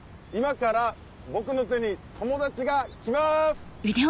今から僕の手に友達が来ます！